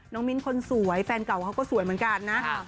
มิ้นคนสวยแฟนเก่าเขาก็สวยเหมือนกันนะ